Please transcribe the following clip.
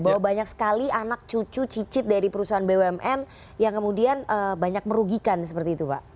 bahwa banyak sekali anak cucu cicit dari perusahaan bumn yang kemudian banyak merugikan seperti itu pak